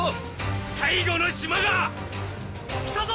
最後の島が。来たぞ！